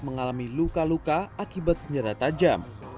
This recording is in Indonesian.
mengalami luka luka akibat senjata tajam